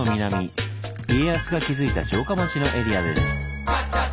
家康が築いた城下町のエリアです。